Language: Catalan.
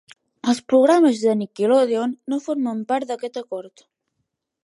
Els programes de Nickelodeon no formen part d'aquest acord.